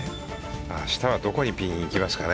明日はどこにピンいきますかね。